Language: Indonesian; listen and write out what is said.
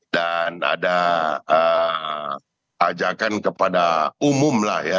dan ada ajakan kepada umum lah ya